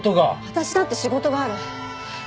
私だって仕事がある。